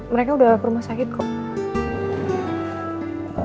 mereka udah ke rumah sakit kok